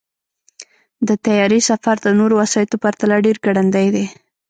د طیارې سفر د نورو وسایطو پرتله ډېر ګړندی دی.